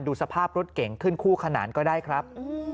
ดูสภาพรถเก่งขึ้นคู่ขนานก็ได้ครับ